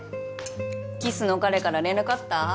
キスの彼から連絡あった？